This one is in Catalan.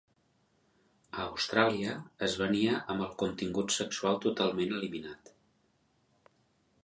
A Austràlia, es venia amb el contingut sexual totalment eliminat.